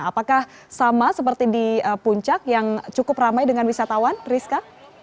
apakah sama seperti di puncak yang cukup ramai dengan wisatawan rizka